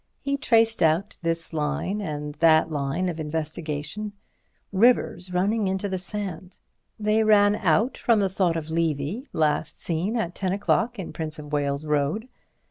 He traced out this line and that line of investigation—rivers running into the sand. They ran out from the thought of Levy, last seen at ten o'clock in Prince of Wales Road.